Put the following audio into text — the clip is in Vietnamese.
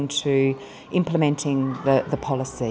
cho phương pháp